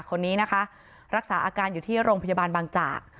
คนนี้นะคะรักษาอาการอยู่ที่โรงพยาบาลบางจาก